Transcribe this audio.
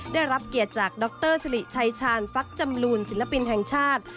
ได้รับเกียรติจากดรสิริชัยชาญฟักจำลูนศิลปินแห่งชาติ